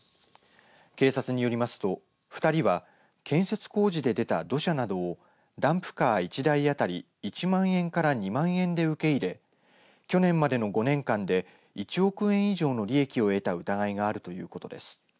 警察によりますと２人は建設工事で出た土砂などをダンプカー１台当たり１万円から２万円で受け入れ去年までの５年間で１億円以上の利益を得た疑いがあるということです。